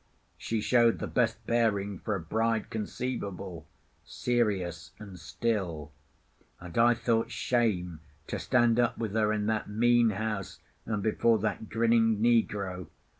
She showed the best bearing for a bride conceivable, serious and still; and I thought shame to stand up with her in that mean house and before that grinning negro.